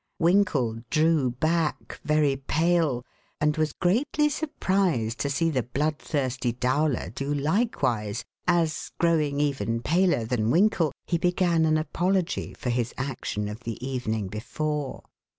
Winkle drew back, very pale, and was greatly surprised to see the bloodthirsty Dowler do likewise as, growing even paler than Winkle, he began an apology for his action of the evening before.